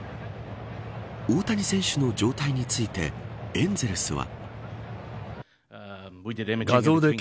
大谷選手の状態についてエンゼルスは。